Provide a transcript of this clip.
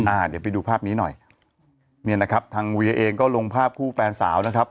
อ่าเดี๋ยวไปดูภาพนี้หน่อยเนี่ยนะครับทางเวียเองก็ลงภาพคู่แฟนสาวนะครับ